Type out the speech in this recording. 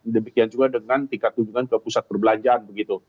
demikian juga dengan tingkat kunjungan ke pusat perbelanjaan begitu